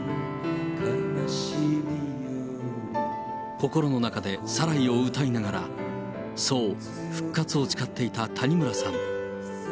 心の中でサライを歌いながら、そう復活を誓っていた谷村さん。